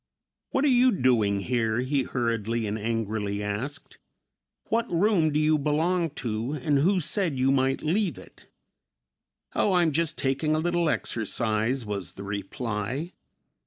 "What are you doing here?" he hurriedly and angrily asked. "What room do you belong to and who said you might leave it?" "Oh, I'm just taking a little exercise," was the reply.